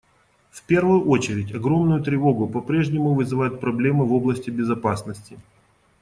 В первую очередь огромную тревогу попрежнему вызывают проблемы в области безопасности.